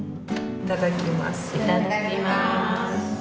いただきます。